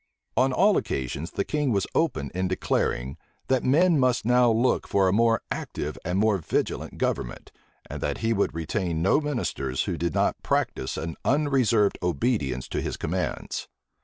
On all occasions, the king was open in declaring, that men must now look for a more active and more vigilant government, and that he would retain no ministers who did not practise an unreserved obedience to his commands.